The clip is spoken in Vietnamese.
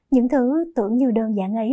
những thứ tưởng như đơn giản ấy